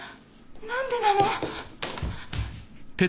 何でなの？